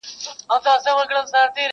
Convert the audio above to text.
کلونه کیږي چي مي پل د یار لیدلی نه دی -